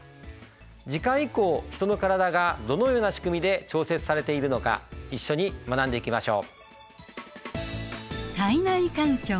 次回以降ヒトの体がどのようなしくみで調節されているのか一緒に学んでいきましょう。